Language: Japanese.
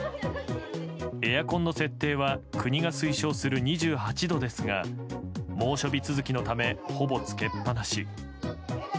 エアコンの設定は国が推奨する２８度ですが猛暑日続きのためほぼつけっぱなし。